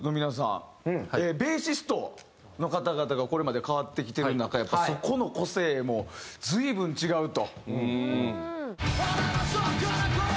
ベーシストの方々がこれまで代わってきてる中やっぱそこの個性も随分違うと。